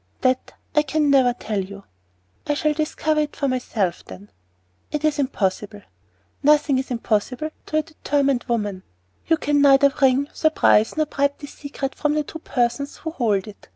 "That I can never tell you." "I shall discover it for myself, then." "It is impossible." "Nothing is impossible to a determined woman." "You can neither wring, surprise, nor bribe this secret from the two persons who hold it.